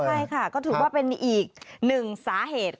ใช่ค่ะก็ถือว่าเป็นอีกหนึ่งสาเหตุ